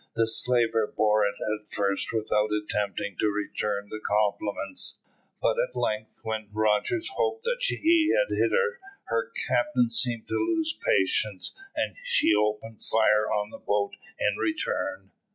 The slaver bore it at first without attempting to return the compliment; but at length, when Rogers hoped that he had hit her, her captain seemed to lose patience, and she opened fire on the boat in return.